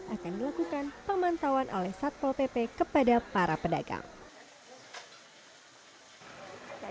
akan dilakukan pemantauan oleh satpol pp kepada para pedagang